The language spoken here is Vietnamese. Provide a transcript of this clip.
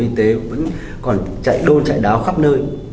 y tế vẫn còn chạy đô chạy đáo khắp nơi